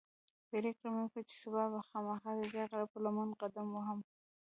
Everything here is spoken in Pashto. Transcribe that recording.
پرېکړه مې وکړه چې سبا به خامخا ددې غره پر لمنه قدم وهم.